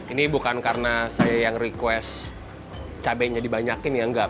ini bukan karena saya yang request cabainya dibanyakin ya enggak